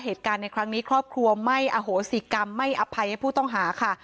เหตุการณ์ในครั้งนี้ครอบครัวไม่อโหสิกรรมไม่อภัยให้ผู้ต้องหาค่ะ